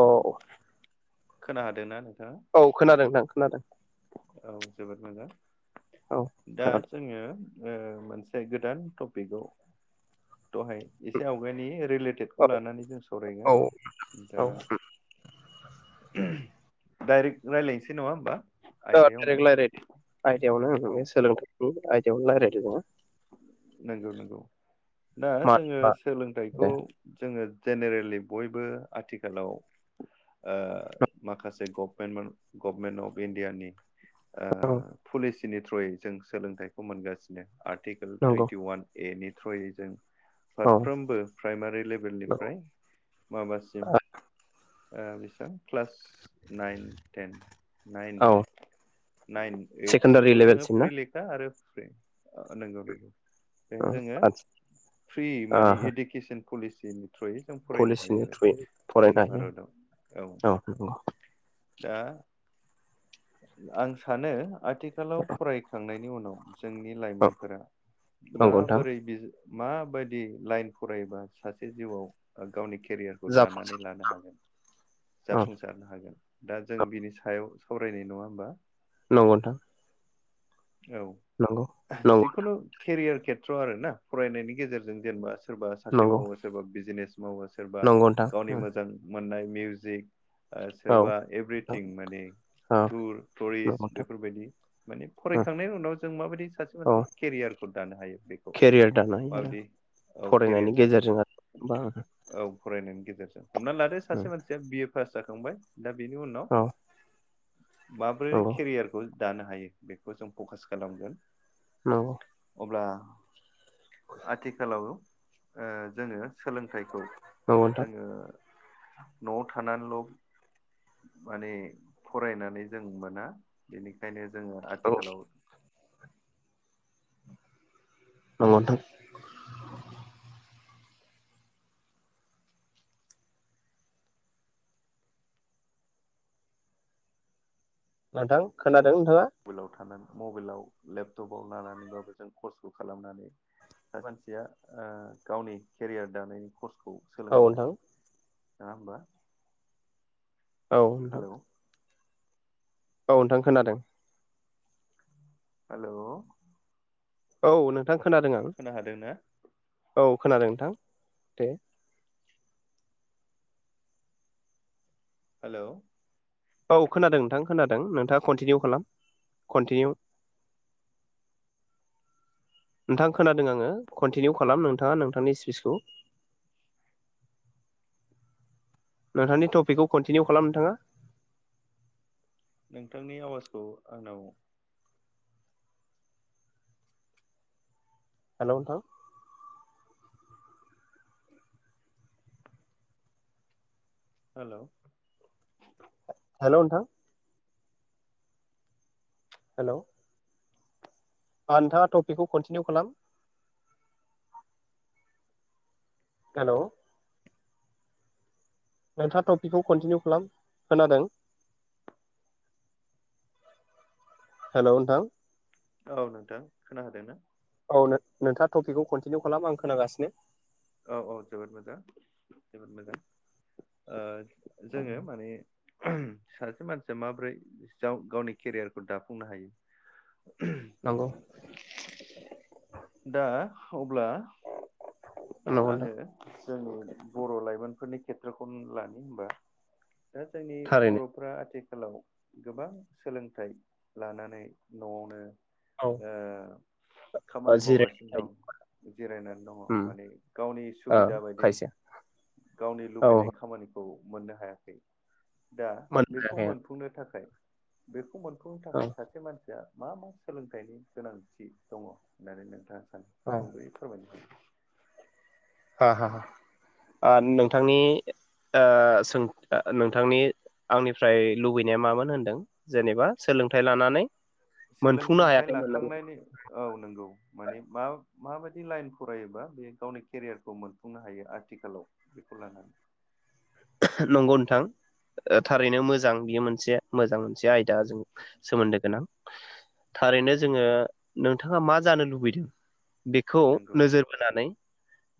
अ औ। खोना हादो ना? औ खोनादों नोंथां खोनादों। औ जोबोद मोजां औ दा खोनादों जोङो ओ मोनसे गोदान टपिकआव दहाय एसे आवगायनि रिलेटेडखौ औ लानानै जों औ सावरायगोन दा औ डाइरेक्ट रायजलायनोसै नङा होमबा अ आयदायावनो डाइरेक रायलायदो आयदायाव नो औ उम सोलोंथाइ नि आयदायावनो रायलायदो नामा नंगौ नंगौ दा मानो जोङो होनबा सोलोंथाइखौ दे जोङो जेनेरेलि बयबो आथिखालाव ओ माखासे गभमेन्ट गभमेन्ट अफ इण्डियानि आ औ फुलिस नि थ्रुयै जों सोलोंथाइखौ मोनगासिनो आरथि कोल नंगौ टुइन्टि वान ए नि थ्रुयै जों औ फारफ्रोमबो प्राइमारि लेभेलनिफ्राय माबासिम ओ बेसेबां क्लास नाइन टेन नाइन औ नाइन ओइद सेकेणडारि सिमखौ जोङो लेभेलसिम ना फ्रि लेखा आरो फ्राय नंगौ नं [inaudible] बेहाय जोङो फ्रि माने आदसा इडुकेसन पुलिसि थ्रुयै जों फरायनो हायो पलिसिनि आरो थ्रुयै फरायनो जोंनि हायो भारताव औ दा आं सानो आथिखालाव फरायखांनाय नि उनाव जोंनि औ लाइमोनफोरा नंगौ नोंथां माबोरै बेज माबायदि लाइन फरायोबा सासे जिउआव गावनि केरियारखौ जाफुं दानानै लानो हागोन औ जाफुंसारनो हागोन। दा जों बिनि सायाव सावरायनाय नङा होमबा नंगौ नोंथां औ नंगौ नंगौ जिखुनु केरियार खेथ्र' आरो ना फरायनायनि गेजेरजों जेनेबा सोरबा साख्रि नंगौ मावो सोरबा बिजिनेस मावो सोरबा नंगौ नोंथां गावनि मोजां। मोननाय मिउजिक। ओ औ सोरबा नोंथां एभ्रिथिं माने औ टुर टुरिस्ट नंगौ बेफोरबायदि माने नोंथां फरायखांनायनि उनाव जों माबायदि सासे औ मानसिया केरियारखौ दानो हायो बेखौ केरियार दानो हायो आरो माबायदि औ केरियार फरायनायनि दानाय गेजेरजों आरो बा औ फरायनायनि गेजेरजों हमनानै लादो सासे मानसिया बि फास जाखांबाय। दा बेनि उनाव। औ माब्रै नंगौ केरियारखौ। दानो हायो? बेखौ जों फकास खालामगोन। नंगौ। अब्ला आथिखालाव ओ जोङो सोलोंथाइखौ। नंगौ नोंथां जोङो। नआव थानानोल माने फरायनानै जों मोना बेनिखायनो। जोङो औ आथिखालाव। नंगौ थां। नोंथां खोना स्कुलाव थानानै। मबाइलाव लेपटपाव लानानैबाबो जों कर्सखौ खालामनानै मानसिया ओ गावनि केरियार दानाय कर्सखौ औ सोलोंनो नोंथां हायो। [unintelligible] औ नोंथां। हेलौ औ नोंथां खोनादों। हेलौ। औ नो खोनो हादोंना? औ खोनादों नोंथां दे। हेलौ। औ खोनादों नोंथां खोनादों नोंथां। कन्टिनिउ खालाम कन्टिनिउ। नोंथां खोनादों आङो कनटिनिउ खालाम नोंथाङा नों पनि स्पिसखौ। नोंथांनि टपिकखौ कन्टिनिउ खालाम नोंथाङा। नोंथांनि आवाजखौ आंनाव हेलौ नोंथां। हेलौ। हेल' नोंथां हेलौ नोंथाङा टपिकखौ कन्टिनिउ खालाम हेल' नोंथाङा टपिकखौ कन्टिनिउ खालाम खोनादों। हेल' नोंथां औ नोंथां खोना हादों ना? औ नोंथाङा टपिकखौ कन्टिनिउ खालाम आं खोनागासिनो। औ औ जोबोद मोजां जोबोद मोजां ओ जोङो माने सासे मानसिया माबोरै जाव गावनि केरियारखौ दाफुंनो हायो। नंगौ दा अब्ला नंगौ नोंथां आङो जोंनि बर' लाइमोन फोरनि खेथ्र'खौनो लानि होबा दा जोंनि थारैनो बर'फ्रा आथि खालाव गोबां सोलोंथाइ लानानै न'आवनो औ ओ ओ खामानि जिरायना मावगासिनो थायो दं जिरायनानै दङ। उम माने गावनि ओ सुबिदा बायदि खायसे गावनि औ लुबैनाय खामानि औ मोननो हायाखै दा बेखौ मोनखायाखै मोनफुंनो थाखाय बेखौमोन नो औ थाखाय सासे मानसिया मा मा सोलोंथाइनि गोनांथि दङ होननानै नोंथाङा औ सुंदयै फोरमाय ह ह अ नोंथांनि आ सों नोंथांनि आंनिफ्राय लुबैनाया मामोन होनदों जेनेबा? सोलोंथाइ लानानै मोनफुंनो सोलोंथाइ हायाखैमोन नामा? लाखांनायनि औ नंगौ माने मा माबायदि लाइन फरायोबा बे गावनि केरियारखौ मोनफुंनो हायो आथिखालाव बेखौ लानानै नंगौ नोंथां थारैनो मोजां बियो मोनसे मोजां मोनसे आयदा जों सोमोन्दो गोनां थारैनो जोङो नोंथाङा मा जानो लुबैदों। बेखौ नंगौ नोजोर बोनानै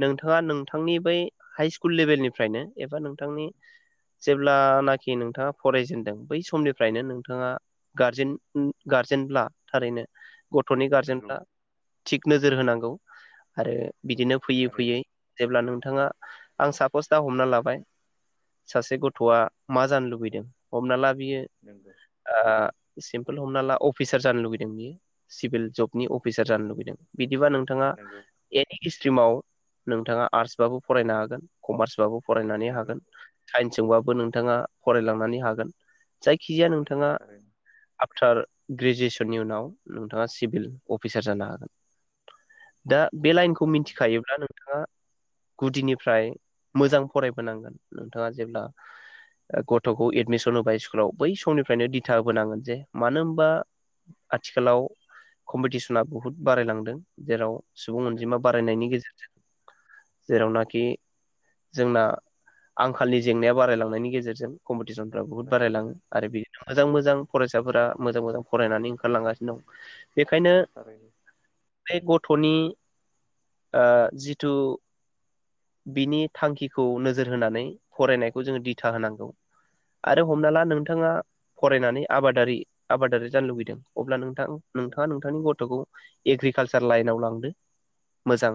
नोंथाङा नोंथांनि बै हाइ स्कुल लेबेलनिफ्रायनो एबा नों थांनि जेब्लानाखि नोंथाङा फरायजेनदों बै समनिफ्रायनो नोंथाङा गारजेन गारजेनब्ला थारैनो गथ'नि नंगौ गारजेनफ्रा थिग नोजोर होनां औ आरो बिदिनो फैयै थारैनो फैयै जेब्ला नोंथाङा आं सापस दा हमना लाबाय सासे गथ'आ मा जानो लुबैदों हमना ला बियो नंगौ आ सिमपोल हमना ला अफिसार जानो लुुबैदों बियो सिभिल जबनि अफिसार जानो लुगैदों बिदिब नों नोंथाङा नंगौ एनि हिस्ट्रिमाव नोंथाङा आर्स बाबो फरायनो हागोन कमार्सबाबो फरायनानै नंगौ हागोन साइन्सजोंबाबो नोंथाङा फरायलांनानै हागोन। जायखिजाया नंगौ नोंथाङा थारैनो आफटार ग्रेजुवेसन फोरनि उनाव नोंथाङा सिभिल अफिसार जानो हागोन। दा बे नंगौ लाइनखौ थारैनो मिथिखायोब्ला नोंथाङा गुदिनिफ्राय मोजां फरायबोनांगोन नोंथाङा जेब्ला गथ'खौ एडमिसन होबाय स्कुलाव बै समनिफ्रायनो दिथा होबोनांगोन जे मानो होनबा आथिखालाव कम्पिटिसना बुहुद बारायलांदों जेराव सुबुं नंगौ अनजिमा बारायनायनि गेजेरजों जेरावनाखि जोंना आंखाल जेंनाया बारायलांनायनि गेजेरजों कम्पि पटिसन बहुत नंगौ बारायलाङो आरो बे मोजां मोजां फरायसाफोरा मोजां मोजां फरायनानै ओंखारलांगासिनो दं। बेखायनो थारैनो बे गथ' ट'नि ओ जिथु बिनि थांखिखौ नोजोर होनानै फरायनायखौ जोङो दिथा होनांगौ आरो हमना ला नोंथाङा फरायनानै आबादारि आबादारि जानो लुुबैदों अब्ला नों थां नोंथाङा नोंथांनि गथ'खौ एग्रिकालसार लाइनाव लांदो मोजां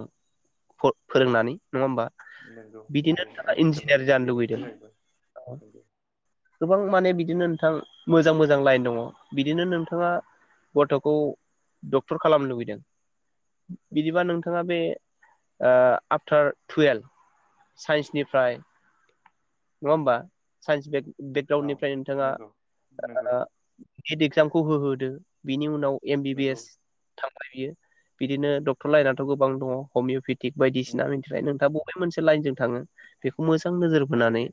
फ फोरोंनानै नङा होमबा नंगौ नंगौ बिदिनोथाङा आथिखालाव इन्जिनियार जानो बेनि लुबैदों थाखायबो नंगौ गोबां माने बिदिनो नोंथां मोजां मोजां लाइन दङ बिदिनो नोंथाङा गथ'खौ डक्टर खालामनो लुबैदों बिदिबा नोंथाङा बे ओ आफथार टुयेल्भ साइन्सनिफ्राय नङा होमबा साइन्स बेग औ बेकग्राउणडनिफ्राय नोंथाङा नंगौ नंगौ आ निट एगजामखौ होहोदो बिनि उनाव एम बि बि नंगौ एस थांबाय बियो बिदिनो डक्टर लइनाथ' गोबां दङ हमिअपेटि थिग उम बायदिसिना दा बबे मोनसे लाइनजों थाङो? बेखौ मोजां नोजोर बोनानै थारैनो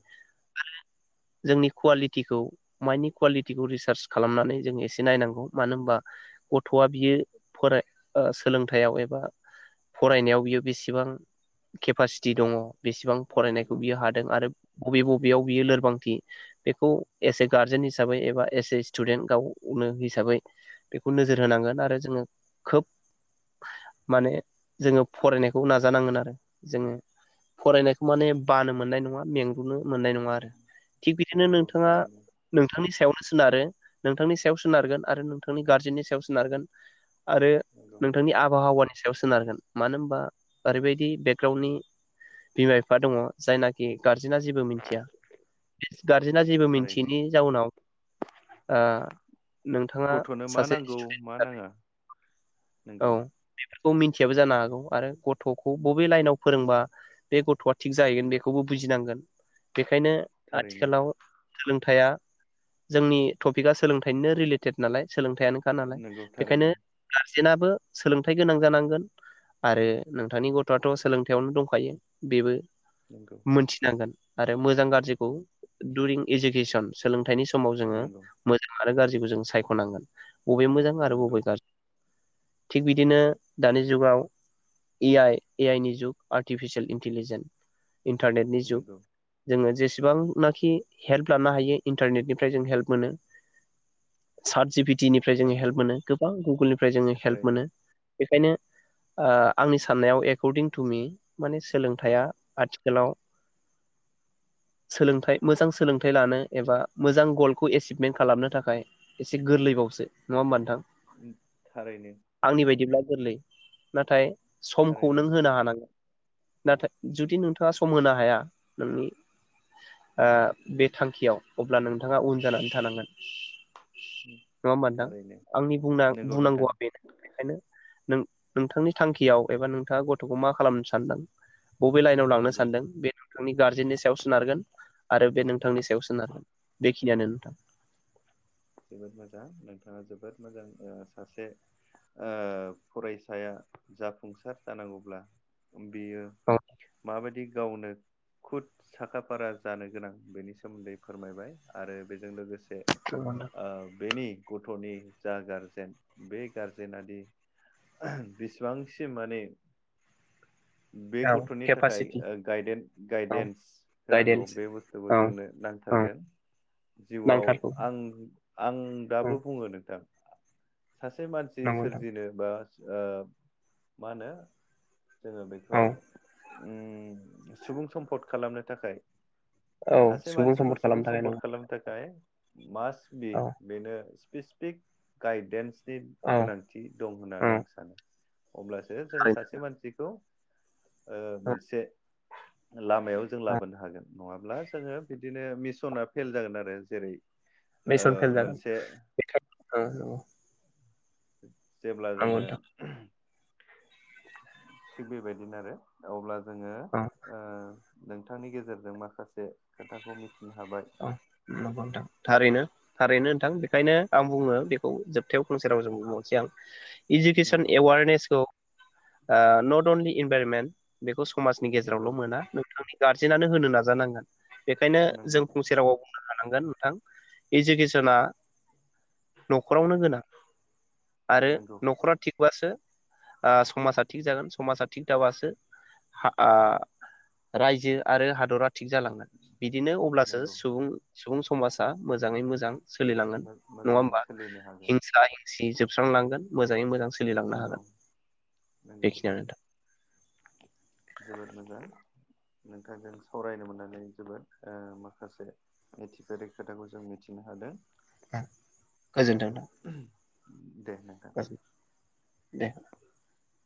जोंनि कुवालिटिखौ माइण्डनि कुवालिटिखौ रिसार्च खालामनानै जों एसे नायनांगौ। मानो होनबा गथ'आ बियो फराय ओ सोलोंथायाव एबा फरायनायाव बियो बेसिबां केपासिटि दङ। बेसेबां नंगौ फरायनायखौ बियो हादों आरो बबे बबेयाव बियो लोरबांथि बेखौ एस ए गार्जेन हिसाबै एबा एस ए स्टुडेन्ट गावनो हिसाबै बेखौ नोजोर होनांगोन आरो जोङो खोब माने जोङो फरायनायखौ नाजानांगोन आरो। जोङो फरायनायखौ माने बानो मोननाय नङा मेंगलुनो मोननाय नङा आरो थिग बिदिनो नंगौ नोंथाङा थारैनो नोंथांनि सायावनो सोनारो। नोंथांनि सायाव सोनारगोन आरो नोंथांनि गार्जेननि सायाव सोनारगोन आरो नंगौ नोंथांनि आबहावानि सायाव सोनारगोन मानो होनबा ओरैबायदि बे गावनि बिमा बिफा दङ जायनाखि गार्जेना जेबो मिथिया। गार्जेना जेबो थारैनो मिन्थियैनि जाउनाव ओ नोंथाङा गथ'नो मा सासे नांगौ मा नाङा औ नंगौ खौ मिथियाबो जानो हागौ आरो गथ'खौ बबे लाइनाव फोरोंबा बे गथ'आ थिग जाहैगोन बेखौबो बुजिनांगोन। बे खायनो थारैनो आथिखालाव सोलों थाइया जोंनि टपिकआ सोलोंथाइनिनो रिलेटेड नालाय सोलोंथाइयानोखा नालाय नंगौ बेखायनो थारैनो जेनाबो सोलोंथाइ गोनां जांगोन आरो नोंथांनि गथ'आथ' सोलोंथाइयावनो दंखायो बेबो नंगौ मोनथिनांगोन आरो मोजां गाज्रिखौ दुरिं इडुकेसन सोलोंथाइनि समाव जोङो नंगौ मोजां आरो गाज्रि बेखौ जों सायख'नांगोन बबे मोजां आरो नंगौ बबे गाज्रि। थिग बिदिनो दानि जुगाव ए आइ ए आइ नि जुग आर्टिफिसियेल इन्टलिजेन् इन्टारनेटनि जुग नंगौ जोङो जेसे जेसेबां नाखि हेल्प लानो हायो इन्टारनेटनिफ्राय जों हेल्प मोनो सार्ट जि पि टि निफ्राय जोङो हेल्प थारैनो मोनो गोबां गुगोलनिफ्राय जोङो हेल्प थारैनो मोनो बेखायनो ओ आंनि साननायाव एकर्डिं तु मि माने सोलोंथाइया आथिखालाव सोलोंथाइ मोजां सोलोंथाइ लानो एबा मोजां गलखौ एसिभमेन्ट खालामनो थाखाय एसे गोरलैबावसो। नङा होमबा नोंथां? थारैनो। आंनि बायदिब्ला गोरलै नाथाय समखौ थारैनो नों होनो नोंथां हा नाथाय जुदि नोंथाङा सम होनो हाया नोंनि ओ बे थांखियाव अब्ला नोंथाङा उन जानानै थानांगोन। नङा होमबा नोंथां थारैनो आंनि नंगौ नोंथां बुंना-बुंनांगौवा बेनो बेखायनो नों नोंथांनि थांखियाव एबा नोंथाङा गथ'। बेखौ मा खालामनो सान्दों। बबे लाइनाव लांनो नंगौ सानदों बे नोंथांनि गार्जेननि सायाव सोनारगोन आरो बे नोंथांनि सायाव सोनारगोन बे। ख नेनथ। जोबोद मोजां नोंथाङा जोबोद मोजां सासे फरायसाया जाफुंसार जानांगौब्ला। बेयो औ माबायदि। गावनो खुद साखा फारा जानो गोनां बेनि सोमोन्दै फोरमायबाय आरो बेजों लोगोसे। थगा [inaudible] ओ बेनि गथ'नि जा गारजेन बे गारजेना दि बिसिबांसि माने। बे नोंथां औ गथ'नि थाखाय केपासिटि गायद औ गायदेन्स होनांगौ गायदेन्स बे बुस्थुखौ औ जोंनो औ नांथारगोन जिउआव नांथारगौ आं। आं औ दाबो बुङो नों। [inaudible] सासे मानसि नंगौ नोंथां सोरजिनो बा। मा होनो। जोङो बेखौ। औ सुबुं सम्फद खालामनो थाखाय। औ सासे मानसिखौ सम्पद सुबुं खालामनो थाखाय सम्फद नंगौ खालामनो थाखाय। मास। बि औ बेनो। Specific guidance. नि औ गोनांथि दं औ होननानै आं सानो। अब्लासो जों थारैनो सासे मानसिखौ। औ मोनसे। लामायाव जों औ लाबोनो हागोन नङाब्ला जोङो बिदिनो मिसना फेल जागोन आरो जेरै ओ मोनसे [inaudible] [inaudible] जेब्ला नंगौ जोङो। नोंथां थिग बेबायदिनो आरो अब्ला। जोङो ओ [inaudible] नोंथांनि गेजेरजों माखासे खोथाखौ मिथि। औ नंगौ नोंथां थारैनो। थारैनो होनथां बेनिखायनो आं बुङो बेखौ जोबथायाव फंसे रावजों बुंबहरनोसै आं इडुकेसन नंगौ एवारनेसखौ ओ नट अनलि इनभाइरमेन्ट बेखौ स माजनि नंगौ गेजेरावल' मोना नोंथांनि गारजेनानो होनो नाजानांगोन बेखायनो नंगौ जों फंसेे राव बुंनो हानांगोन थां इजुकेसना न'खरावनो गोनां आरो नंगौ न'खरा थिग थाबासो ओ समाजा थिग जागोन समाजा थिग थाबासो हा आ रायजो आरो हादरा थिग जालांगोन बिदिनो अब्लासो नंगौ सुबुं सुबुं समाजा मोजाङै मोजां सोलिलांगोन नङा मोजाङै होमबा सोलिनो हागोन हिंसा हिंसि जोब स्रांलांगोन मोजाङै मोजां सोलिलांनो नंगौ हागोन नंगौ बेखिनियानो जोबोद मोजां नोंथांजों सावरायनो मोननानै जोबोद ओ माखासे मिथिफेरै खोथाखौ जों मिथिनो हादों [unintelligible] गोजोन्थों थां दे नोंथां [unintelligible]